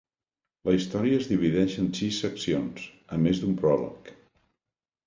La història es divideix en sis seccions, a més d'un pròleg.